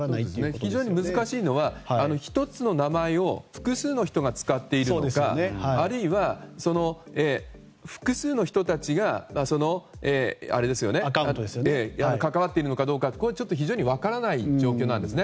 非常に難しいのは１つの名前を複数の人が使っているのかあるいは複数の人たちが関わっているのかどうかが非常に分からない状況なんですね。